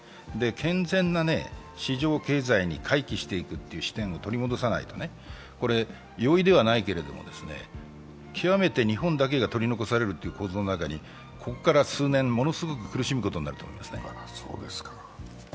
健全な市場経済に回帰していくという視点を取り戻さないと、容易ではないけれども、極めて日本だけが取り残されるという構造の中にここから数年ものすごく苦しむことになると思いますね。